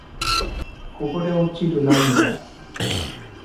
こぼれ落ちる涙